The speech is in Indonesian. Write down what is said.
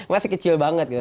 masih kecil banget gitu